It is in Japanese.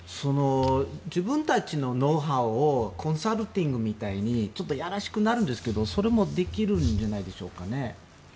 自分たちのノウハウをコンサルティングみたいにいやらしくなるんですけどそれもできるんじゃないですか。